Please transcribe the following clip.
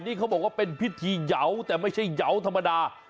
นี่เขาบอกว่าเป็นพิธีเหยาแต่ไม่ใช่เหยาธรรมดา